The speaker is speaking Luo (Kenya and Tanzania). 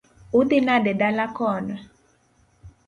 Udhi nade dala kono?